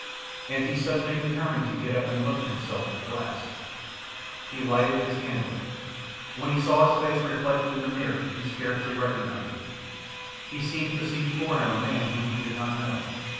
And he suddenly determined to get up and look at himself in the glass. He lighted his candle. When he saw his face reflected in the mirror he scarcely recognized it. He seemed to see before him a man whom he did not know.